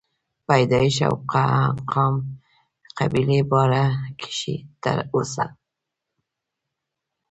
پيدائش او قام قبيلې باره کښې تر اوسه